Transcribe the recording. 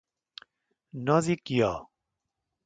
No dic jo!